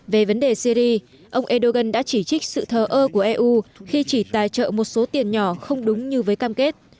về vấn đề syri ông erdogan đã chỉ trích sự thờ ơ của eu khi chỉ tài trợ một số tiền nhỏ không đúng như với cam kết